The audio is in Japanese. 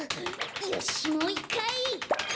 よしもういっかい！